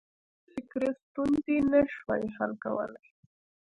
ټولې فکري ستونزې یې نه شوای حل کولای.